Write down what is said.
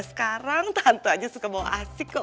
sekarang tante aja suka bawa asik kok